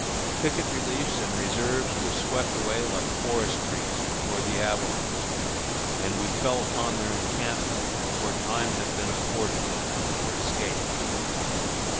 Picket reliefs and reserves were swept away like forest trees before the avalanche, and we fell upon their encampment before time had been afforded them for escape.